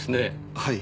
はい。